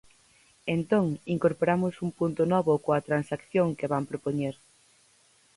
Entón, incorporamos un punto novo coa transacción que van propoñer.